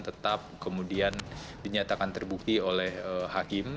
tetap kemudian dinyatakan terbukti oleh hakim